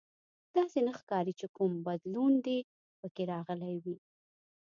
داسې نه ښکاري چې کوم بدلون دې پکې راغلی وي